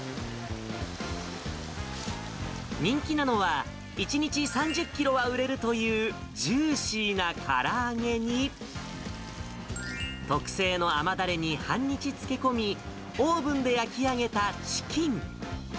人気なのは、１日３０キロは売れるというジューシーなから揚げに、特製の甘だれに半日漬け込み、オーブンで焼き上げたチキン。